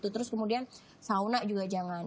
terus kemudian sauna juga jangan